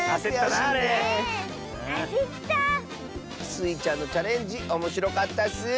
スイちゃんのチャレンジおもしろかったッス！